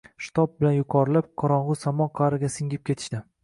shitob bilan yuqorilab, qorong‘u samo qa’riga singib ketishdi.